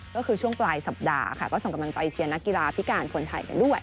ก็คือช่วงปลายสัปดาห์ค่ะก็ส่งกำลังใจเชียร์นักกีฬาพิการคนไทยกันด้วย